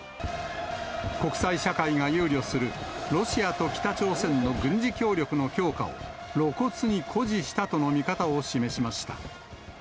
国際社会が憂慮する、ロシアと北朝鮮の軍事協力の強化を、露骨に誇示したとの見方を示しました。